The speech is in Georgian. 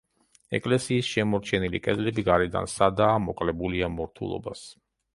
ეკლესიის შემორჩენილი კედლები გარედან სადაა, მოკლებულია მორთულობას.